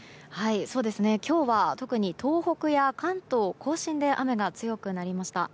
今日は特に東北や関東・甲信で雨が強くなりました。